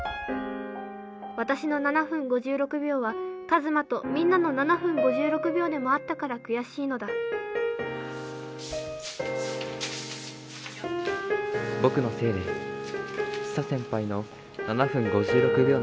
私の７分５６秒はカズマとみんなの７分５６秒でもあったから悔しいのだ僕のせいでチサ先輩の７分５６秒の夢は幻となった。